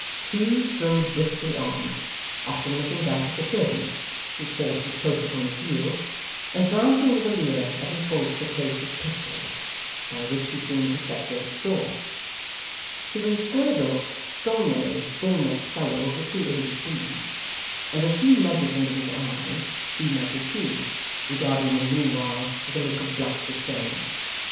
Hugh strode briskly on, often looking back at the servant, whose horse was close upon his heels, and glancing with a leer at his holster case of pistols, by which he seemed to set great store. He was a square built, strong made, bull necked fellow, of the true English breed; and as Hugh measured him with his eye, he measured Hugh, regarding him meanwhile with a look of bluff disdain.